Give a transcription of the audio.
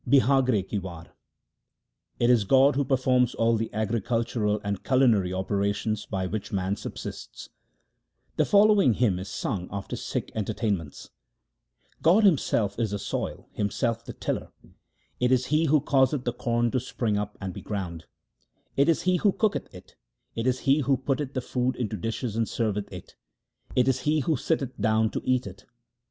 1 Bihagre ki War It is God who performs all the agricultural and culinary operations by which man subsists. The following hymn is sung after Sikh entertainments :— God Himself is the soil, Himself the tiller ; it is He who causeth the corn to spring up and be ground ; It is He who cooketh it ; it is He who putteth the food into dishes and serveth it ; it is He who sitteth down to eat it.